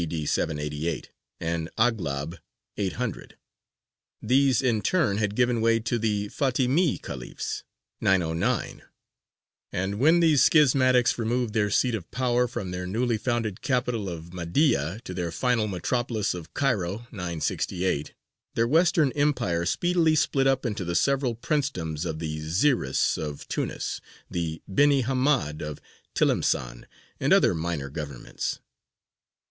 D. 788) and Aghlab (800); these in turn had given way to the Fātimī Khalifs (909); and when these schismatics removed their seat of power from their newly founded capital of Mahdīya to their final metropolis of Cairo (968), their western empire speedily split up into the several princedoms of the Zeyrīs of Tunis, the Benī Hammād of Tilimsān, and other minor governments.